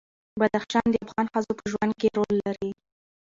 بدخشان د افغان ښځو په ژوند کې رول لري.